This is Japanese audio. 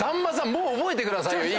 もう覚えてください。